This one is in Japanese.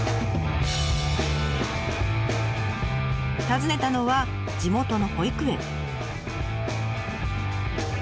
訪ねたのは地元の保育園。